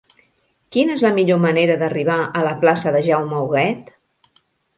Quina és la millor manera d'arribar a la plaça de Jaume Huguet?